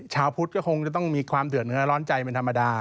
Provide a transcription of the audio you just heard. ชาวพุทธก็คงจะต้องมีความเดือดเนื้อร้อนใจเป็นธรรมดา